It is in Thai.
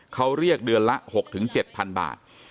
เขาเรียกเดือนละ๖๗๐๐บาท